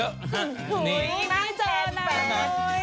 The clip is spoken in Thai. โอ้ยน่าเจอน่า